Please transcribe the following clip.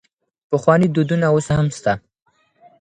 پخواني دودونه اوس هم سته.